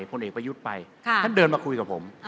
พลเอกประยุทธ์ไปท่านเดินมาคุยกับผม